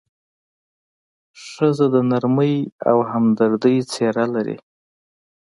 ښځه د نرمۍ او همدردۍ څېره لري.